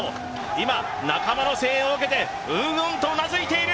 今、仲間の声援を受けて、うんとうなずいている。